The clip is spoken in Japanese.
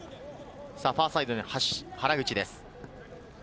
ファーサイドに原口です。